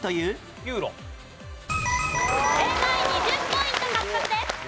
２０ポイント獲得です。